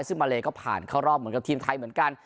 ซึ่งมาเลก็ผ่านเข้ารอบเหมือนกับทีมไทยเหมือนกัน